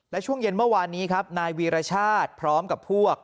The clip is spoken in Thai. และช่วงเย็นเมื่อวานนี้ครับนายวีรชาติพร้อมกับพวก